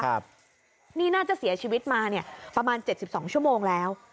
ครับนี่น่าจะเสียชีวิตมาเนี้ยประมาณเจ็ดสิบสองชั่วโมงแล้ว